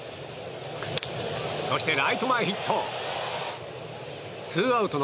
そして、ライト前ヒット。